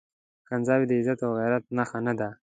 کنځاوي د عزت او غيرت نښه نه ده.